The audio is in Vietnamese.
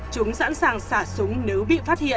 chúng sẵn sàng xả súng nếu bị phát hiện